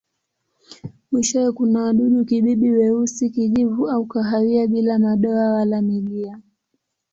Mwishowe kuna wadudu-kibibi weusi, kijivu au kahawia bila madoa wala milia.